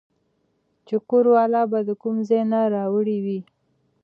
چې کور والا به د کوم ځاے نه راوړې وې